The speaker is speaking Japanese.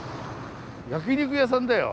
焼き肉屋さんだよ。